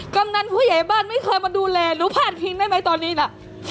กำนันผู้ใหญ่บ้านไม่เคยมาดูแลหนูพาดพิงได้ไหมตอนนี้ล่ะ